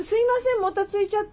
もたついちゃって。